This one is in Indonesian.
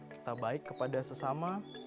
kita baik kepada sesama